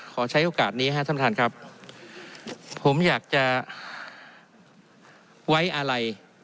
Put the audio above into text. ขอใช้โอกาสนี้ธรรมทานขับผมอยากจะไว้อะไร